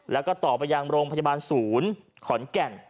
แล้วก็ต่อไปยังโรงพยาบาลศูนย์ขอนแก่น